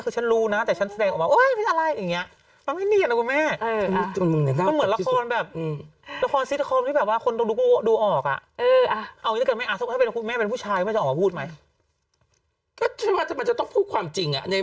คุณแม่ไม่มีเก็นในตาคุณแม่คือฉันรู้นะแต่ฉันแสดงออกมาโอ๊ยม่ายอะไรอย่างนี้